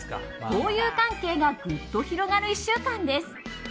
交友関係がぐっと広がる１週間です。